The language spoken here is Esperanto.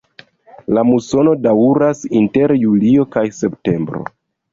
La musono daŭras inter julio kaj septembro.